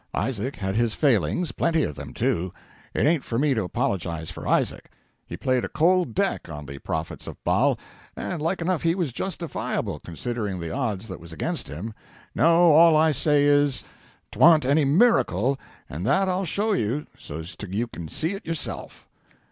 Isaac had his failings plenty of them, too; it ain't for me to apologise for Isaac; he played a cold deck on the prophets of Baal, and like enough he was justifiable, considering the odds that was against him. No, all I say is, 't' wa'n't any miracle, and that I'll show you so's 't you can see it yourself.